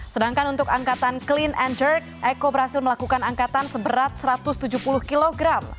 sedangkan untuk angkatan clean and jerk eko berhasil melakukan angkatan seberat satu ratus tujuh puluh kg